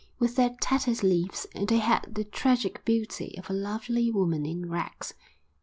With their tattered leaves they had the tragic beauty of a lovely woman in rags.